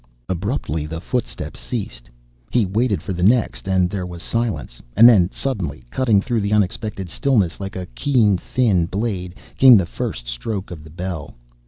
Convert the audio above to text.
Abruptly the footsteps ceased. He waited for the next, and there was silence, and then suddenly, cutting through the unexpected stillness like a keen, thin blade, came the first stroke of the bell.